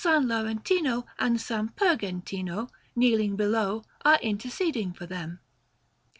Laurentino and S. Pergentino, kneeling below, are interceding for them.